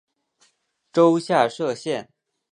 州下设县。